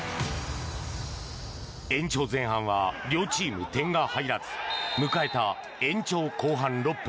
延長前半は両チーム点が入らず迎えた延長後半６分。